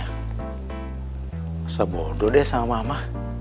foto sama mama diajak waktu foto sama mama